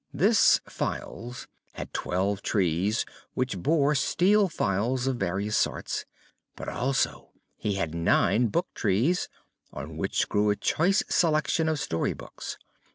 This Files had twelve trees which bore steel files of various sorts; but also he had nine book trees, on which grew a choice selection of story books.